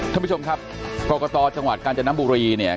ท่านผู้ชมครับกรกตจังหวัดกาญจนบุรีเนี่ย